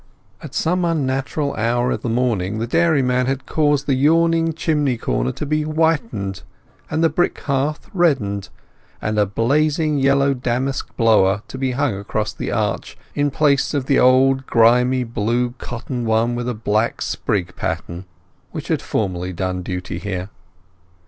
At some unnatural hour of the morning the dairyman had caused the yawning chimney corner to be whitened, and the brick hearth reddened, and a blazing yellow damask blower to be hung across the arch in place of the old grimy blue cotton one with a black sprig pattern which had formerly done duty there.